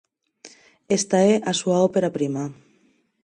Esta é a súa ópera prima.